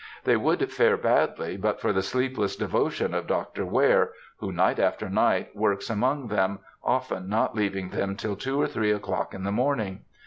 They would fare badly but for the sleepless devotion of Dr. Ware, who, night after night, works among them, often not leaving them till two or three o'clock in the morning.